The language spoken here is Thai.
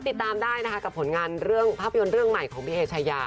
ติดตามได้นะคะกับผลงานเรื่องภาพยนตร์เรื่องใหม่ของพี่เอชายา